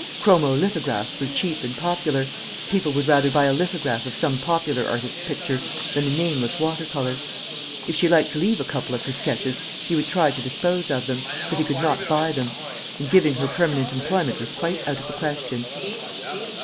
Chromolithographs were cheap and popular people would rather buy a lithograph of some popular artist's picture than a nameless water colour. If she liked to leave a couple of her sketches, he would try to dispose of them, but he could not buy them and giving her permanent employment was quite out of the question.